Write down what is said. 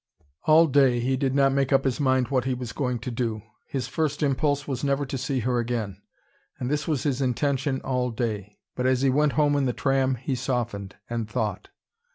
All day, he did not make up his mind what he was going to do. His first impulse was never to see her again. And this was his intention all day. But as he went home in the tram he softened, and thought.